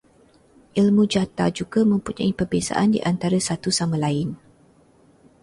Ilmu jata juga mempunyai perbezaan di antara satu sama lain